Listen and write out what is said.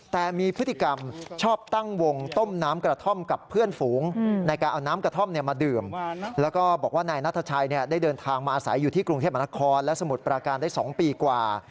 แต่มีพฤติกรรมชอบตั้งวงต้มน้ำกระท่อมกับเพื่อนฝูงในการเอาน้ำกระท่อมมาดื่มแล้วก็บอกว่านายนัทชัยได้เดินทางมาอาศัยอยู่ที่กรุงเทพมนครและสมุทรปราการได้๒ปีกว่า